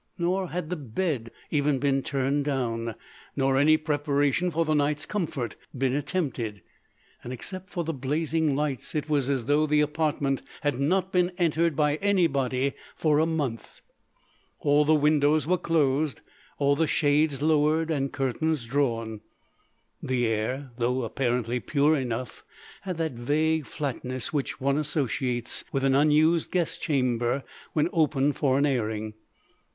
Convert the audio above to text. Nor had the bed even been turned down—nor any preparation for the night's comfort been attempted. And, except for the blazing lights, it was as though the apartment had not been entered by anybody for a month. All the windows were closed, all shades lowered and curtains drawn. The air, though apparently pure enough, had that vague flatness which one associates with an unused guest chamber when opened for an airing.